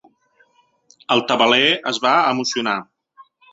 El tabaler es va emocionar.